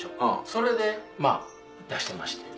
それで出してまして。